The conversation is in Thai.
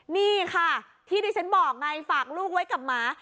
นี่ค่ะที่ที่ฉันบอกไงฝากลูกไว้กับหมา